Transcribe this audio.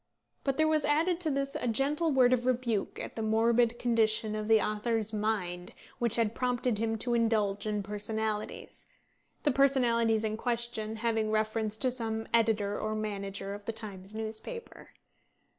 But there was added to this a gentle word of rebuke at the morbid condition of the author's mind which had prompted him to indulge in personalities, the personalities in question having reference to some editor or manager of the Times newspaper.